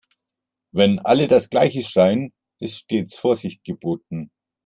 Wenn alle das gleiche schreien, ist stets Vorsicht geboten.